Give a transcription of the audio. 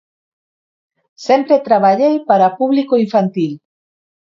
Sempre traballei para público infantil.